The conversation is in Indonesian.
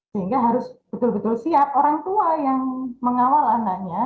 sehingga harus betul betul siap orang tua yang mengawal anaknya